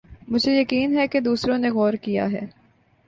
مجھے یقین ہے کہ دوسروں نے غور کِیا ہے